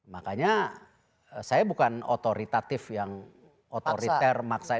makanya saya bukan otoritatif yang otoriter maksain